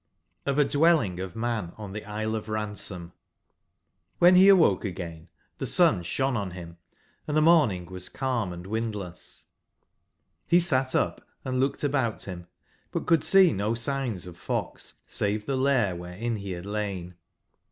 Of a Dwelling of JVIan on the Isle of Raneom^^ RGN be awohe aqain the sun 9boneonbini, and the morning was calm &windless. Re sat up & looked about bim, but could seeno signs of fox save tbe lair wberein be bad lain.